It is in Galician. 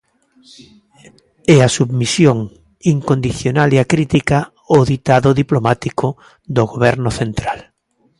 E a submisión incondicional e acrítica ao ditado diplomático do goberno central.